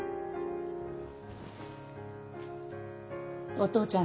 お父ちゃん